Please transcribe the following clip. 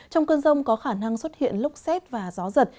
trong cơn rông có khả năng xuất hiện lốc xét và gió giật